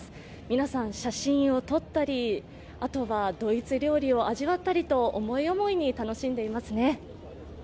皆さん、写真を撮ったりあとはドイツ料理を味わったりと思い思いに楽しんでいますね。